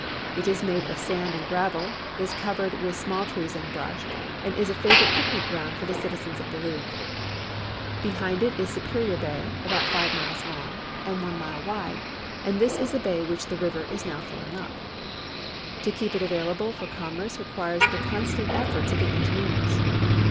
It is made of sand and gravel, is covered with small trees and brush, and is a favorite picnic ground for the citizens of Duluth. Behind it is Superior bay, about five miles long and one mile wide, and this is the bay which the river is now filling up. To keep it avail able for commerce requires the constant efforts of the engineers.